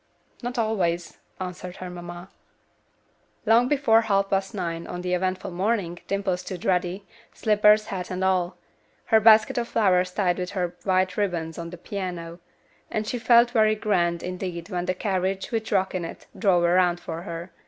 "Not always," answered her mamma. Long before half past nine on the eventful morning Dimple stood ready, slippers, hat and all; her basket of flowers tied with white ribbons on the piano; and she felt very grand, indeed, when the carriage, with Rock in it, drove around for her.